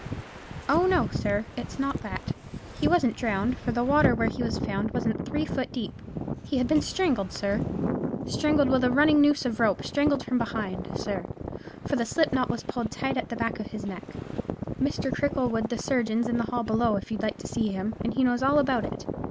"Oh, no, sir; it's not that. He wasn't drowned; for the water where he was found wasn't three foot deep. He had been strangled, sir; strangled with a running noose of rope; strangled from behind, sir, for the slip knot was pulled tight at the back of his neck. Mr. Cricklewood the surgeon's in the hall below, if you'd like to see him; and he knows all about it.